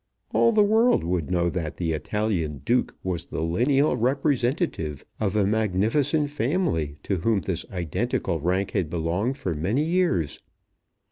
All the world would know that the Italian Duke was the lineal representative of a magnificent family to whom this identical rank had belonged for many years.